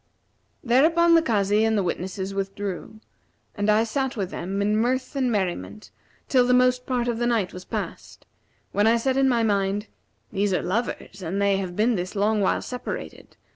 Thereupon the Kazi and the witnesses withdrew, and I sat with them, in mirth and merriment, till the most part of the night was past, when I said in my mind, 'These are lovers and they have been this long while separated.